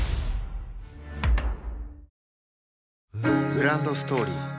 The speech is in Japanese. グランドストーリー